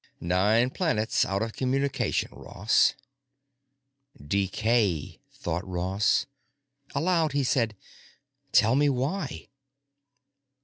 Nine planets out of communication, Ross." Decay, thought Ross. Aloud he said, "Tell me why."